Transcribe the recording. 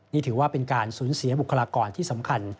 นี่ถือว่าเป็นการสูญเสียบุคลากรที่สำคัญ